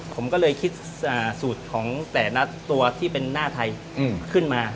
ผมก็เลยคิดสูตรของแต่ละตัวที่เป็นหน้าไทยขึ้นมา